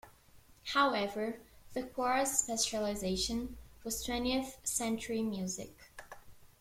However, the choir's specialization was twentieth century music.